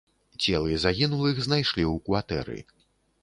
Целы загінулых знайшлі ў кватэры.